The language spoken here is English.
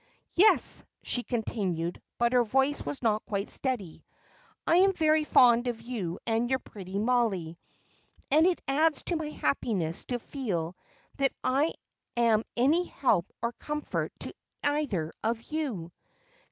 Yes," she continued, but her voice was not quite steady, "I am very fond of you and your pretty Mollie, and it adds to my happiness to feel that I am any help or comfort to either of you."